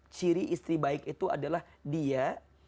ciri istri baik itu adalah dia